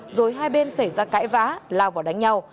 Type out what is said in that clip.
rồi hai bên xảy ra cãi vã lao vào đánh nhau